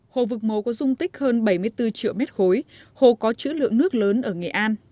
hồ vực máu có dung tích hơn bảy mươi bốn triệu mét khối hồ có chữ lượng nước lớn ở nghệ an